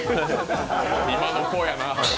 今の子やな。